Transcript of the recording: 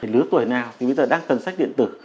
lứa tuổi nào người ta đang cần sách điện tử